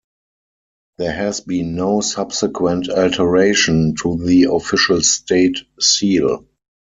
There has been no subsequent alteration to the official state seal.